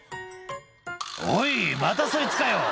「おいまたそいつかよ！」